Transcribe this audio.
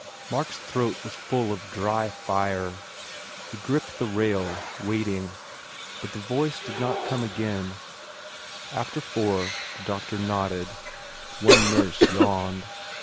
..." Mark s throat was full of dry fire. He gripped the rail, waiting. But the voice did not 253 THE FAIR REWARDS come again. After four the doctor nodded. One nurse yawned.